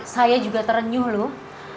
saya juga terenyuh loh